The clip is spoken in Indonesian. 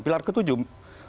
pilar ke tujuh